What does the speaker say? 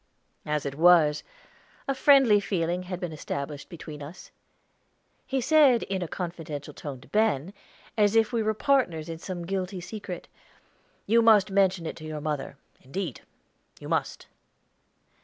As it was, a friendly feeling had been established between us. He said in a confidential tone to Ben, as if we were partners in some guilty secret, "You must mention it to your mother; indeed you must."